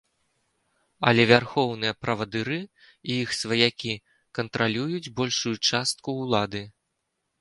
Але вярхоўныя правадыры і іх сваякі кантралююць большую частку ўлады.